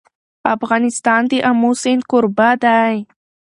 افغانستان د آمو سیند کوربه دی.